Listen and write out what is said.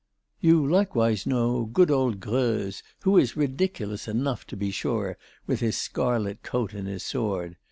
"You likewise know good old Greuze, who is ridiculous enough, to be sure, with his scarlet coat and his sword.